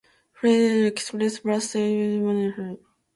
Fares on express bus services may be higher than normal parallel services.